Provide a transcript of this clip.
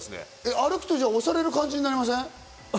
歩くと押される感じになりません？